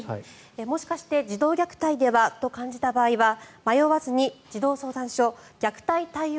もしかして児童虐待ではと感じた場合は迷わずに児童相談所虐待対応